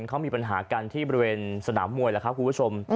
เขามีปัญหากันที่บริเวณสนามมวยแล้วครับคุณผู้ชม